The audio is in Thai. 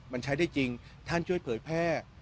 มันใช้ได้จริงท่านช่วยเผยแพร่